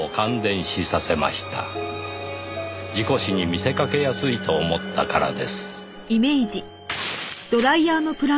「事故死に見せかけやすいと思ったからです」